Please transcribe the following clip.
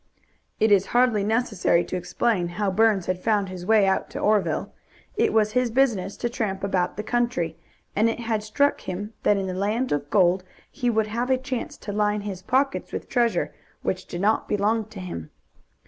It is hardly necessary to explain how Burns had found his way out to Oreville. It was his business to tramp about the country, and it had struck him that in the land of gold he would have a chance to line his pockets with treasure which did not belong to him.